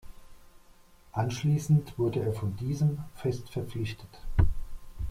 Anschließend wurde er von diesem fest verpflichtet.